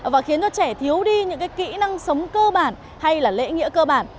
và khiến cho trẻ thiếu đi những kỹ năng sống cơ bản hay là lễ nghĩa cơ bản